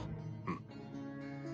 うん。